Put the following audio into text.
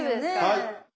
はい。